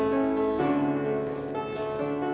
mbak desi nyanyi